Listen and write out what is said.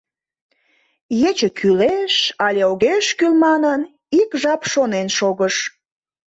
Ече кӱлеш але огеш кӱл манын, ик жап шонен шогыш.